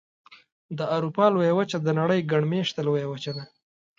د اروپا لویه وچه د نړۍ ګڼ مېشته لویه وچه ده.